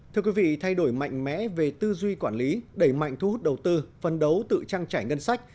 thưa quý vị thay đổi mạnh mẽ về tư duy quản lý đẩy mạnh thu hút đầu tư phân đấu tự trang trải ngân sách